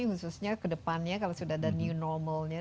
khususnya ke depannya kalau sudah ada new normalnya